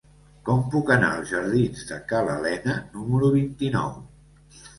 Com puc anar als jardins de Ca l'Alena número vint-i-nou?